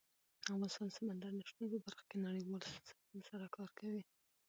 افغانستان د سمندر نه شتون په برخه کې نړیوالو بنسټونو سره کار کوي.